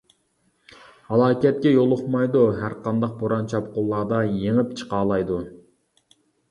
ھالاكەتكە يولۇقمايدۇ، ھەرقانداق بوران-چاپقۇنلاردا يېڭىپ چىقالايدۇ.